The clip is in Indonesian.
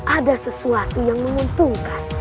ada sesuatu yang menguntungkan